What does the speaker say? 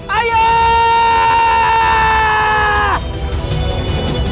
ayah tidak boleh mati